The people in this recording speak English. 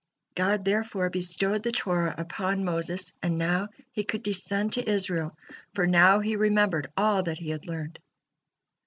God therefore bestowed the Torah upon Moses, and now he could descend to Israel, for now he remembered all that he had learned.